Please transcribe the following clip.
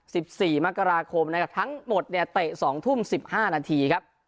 สิบสี่มกราคมนะครับทั้งหมดเนี่ยเตะสองทุ่มสิบห้านาทีครับ